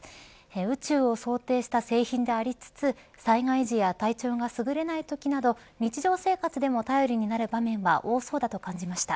宇宙を想定した製品でありつつ災害時や体調がすぐれないときなど日常生活でも頼りになる場面は多そうだと感じました。